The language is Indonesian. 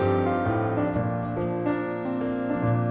saudara pendengar yang pengen pergi